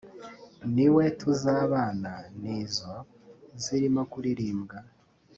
niwe tuzabana nizo” zirimo kuririmbwa